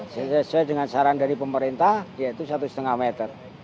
sesuai dengan saran dari pemerintah yaitu satu lima meter